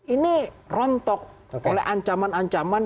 ini rontok oleh ancaman ancaman